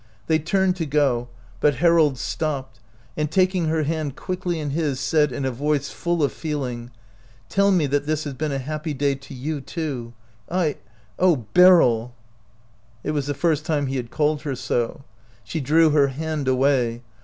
They turned to go, but Harold stopped, and, taking her hand quickly in his, said in a voice full of feeling, "Tell me that this has been a happy day to you too. I — oh, Beryl —" It was the first time he had called her so. She drew her hand away.